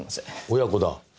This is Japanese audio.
親子だ。